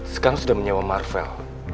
sekarang sudah menyewa marvel